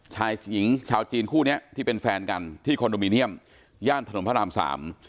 ชายหญิงชาวจีนคู่เนี้ยที่เป็นแฟนกันที่คอนโดมิเนียมย่านถนนพระรามสาม